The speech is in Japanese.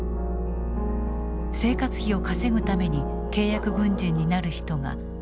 生活費を稼ぐために契約軍人になる人が後を絶たない。